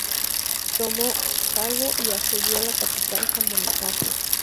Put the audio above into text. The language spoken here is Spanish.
Tomó Calvo y asedió la capital, San Bonifacio.